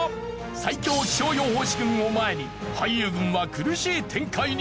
最強気象予報士軍を前に俳優軍は苦しい展開に。